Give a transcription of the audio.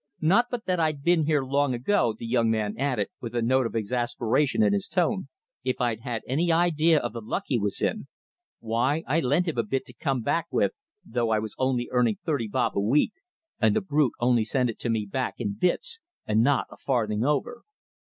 Not but that I'd been here long ago," the young man added, with a note of exasperation in his tone, "if I'd had any idea of the luck he was in. Why, I lent him a bit to come back with, though I was only earning thirty bob a week, and the brute only sent it me back in bits, and not a farthing over."